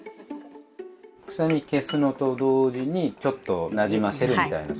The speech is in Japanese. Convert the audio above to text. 臭み消すのと同時にちょっとなじませるみたいなそんな感じ。